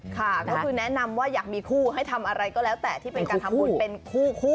ค่ะก็คือแนะนำว่าอยากมีคู่ให้ทำอะไรก็แล้วแต่ที่เป็นการทำบุญเป็นคู่